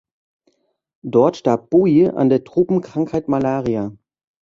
Dort starb Boie an der Tropenkrankheit Malaria.